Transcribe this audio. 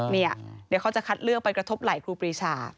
เดี๋ยวเขาจะคัดเลือกไปกระทบไหล่ครูปรีชา